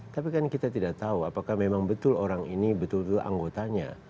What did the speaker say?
tapi kan kita tidak tahu apakah memang betul orang ini betul betul anggotanya